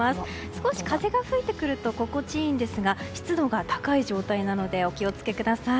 少し風が吹いてくると心地いいんですが湿度が高い状態なのでお気をつけください。